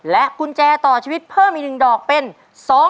กุญแจต่อชีวิตเพิ่มอีก๑ดอกเป็น